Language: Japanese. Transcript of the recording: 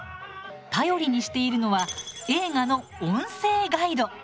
頼りにしているのは映画の「音声ガイド」。